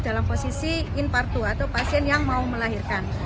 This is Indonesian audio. dalam posisi in part dua atau pasien yang mau melahirkan